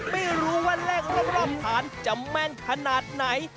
ไม่รู้ว่าเลขรอบฐานจะแม่นขนาดไหน